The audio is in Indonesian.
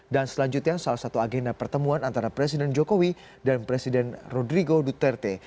dan selanjutnya salah satu agenda pertemuan antara presiden jokowi dan presiden rodrigo duterte